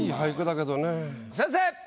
先生！